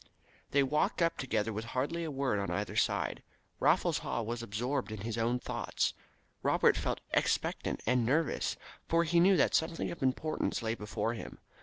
They walked up together with hardly a word on either side. Raffles Haw was absorbed in his own thoughts. Robert felt expectant and nervous, for he knew that something of importance lay before him.